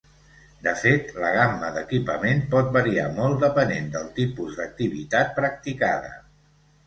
De fet, la gamma d'equipament pot variar molt depenent del tipus d'activitat practicada.